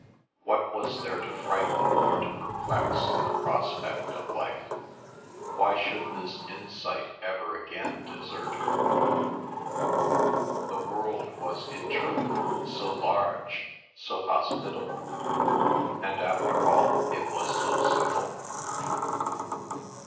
What was there to frighten or to perplex in the prospect of life? Why should this insight ever again desert her? The world was in truth so large, so hospitable, and after all it was so simple.